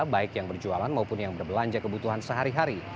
baik yang berjualan maupun yang berbelanja kebutuhan sehari hari